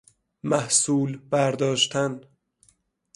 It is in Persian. محصول برداشتن